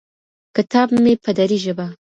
کتاب مې په دري ژبه